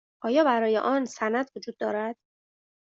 آیا برای آن سند وجود دارد؟